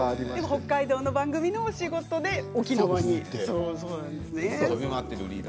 北海道の番組のお仕事で沖縄に行かれたんですね。